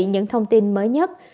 những thông tin mới nhất